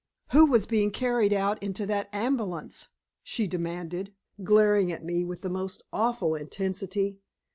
"Who was being carried out into that ambulance?" she demanded, glaring at me with the most awful intensity.